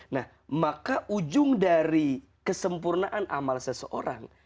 nah maka ujung dari kesempurnaan amal seseorang